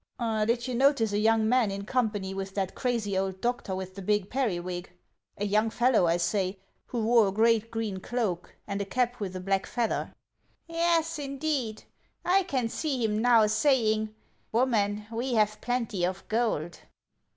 " Did you notice a young man in company with that crazy old doctor with the big periwig, — a young fellow, 422 HAMS OF ICELAND I say, who wore a great green cloak, and a cap with a black leather '("" Yes, indeed ; I can see him now, saying :' Woman, we have plenty of gold